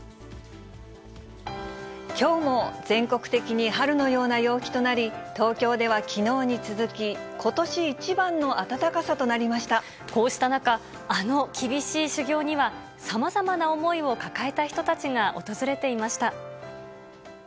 きょうも全国的に春のような陽気となり、東京ではきのうに続き、こうした中、あの厳しい修行には、さまざまな思いを抱えた人たちが訪れていました。